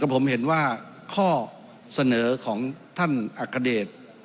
ผมเห็นว่าข้อเสนอของท่านอักกฏิริริย์